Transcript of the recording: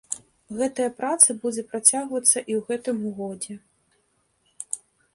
Гэтая праца будзе працягвацца і ў гэтым годзе.